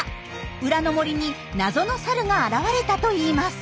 裏の森に謎のサルが現れたといいます。